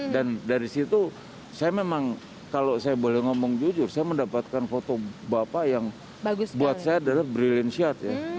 dan dari situ saya memang kalau saya boleh ngomong jujur saya mendapatkan foto bapak yang buat saya adalah brilliant shot ya